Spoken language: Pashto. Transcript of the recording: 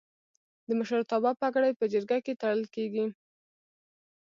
د مشرتابه پګړۍ په جرګه کې تړل کیږي.